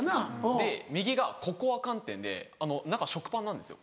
で右がココア寒天で中食パンなんですよ。